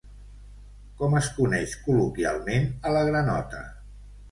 Com es coneix col·loquialment a la granota?